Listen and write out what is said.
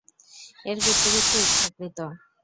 এর কিছু কিছু ইচ্ছাকৃত।